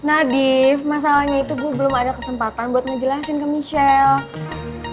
nadief masalahnya itu gue belum ada kesempatan buat ngejelasin ke michelle